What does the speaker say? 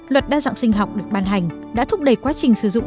luật đa dạng sinh học được ban hành đã thúc đẩy quá trình sử dụng